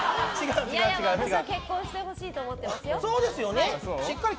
私は結婚してほしいと思っていますよ。